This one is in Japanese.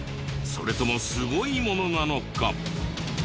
それともすごいものなのか？